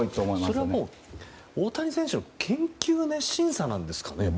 それは大谷選手の研究熱心さなんですかね。